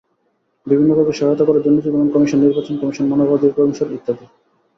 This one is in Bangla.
বিভিন্নভাবে সহায়তা করে দুর্নীতি দমন কমিশন, নির্বাচন কমিশন, মানবাধিকার কমিশন ইত্যাদি।